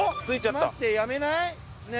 待ってやめない？ねえ。